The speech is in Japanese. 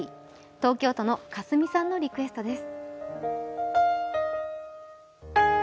東京都の香澄さんのリクエストです。